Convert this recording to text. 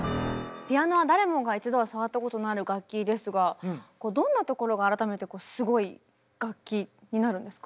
ピアノは誰もが一度は触ったことのある楽器ですがどんなところが改めてすごい楽器になるんですか？